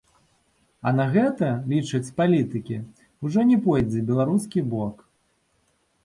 А на гэта, лічаць палітыкі, ужо не пойдзе беларускі бок.